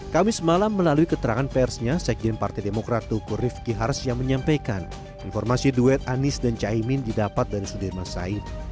kamis malam melalui keterangan persnya sekjen partai demokrat tukur rifki hars yang menyampaikan informasi duet anies dan caimin didapat dari sudirman said